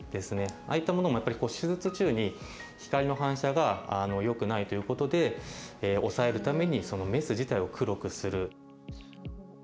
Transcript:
ああいったものもやっぱり手術中に光の反射がよくないということで抑えるためにそのメス自体を黒くする。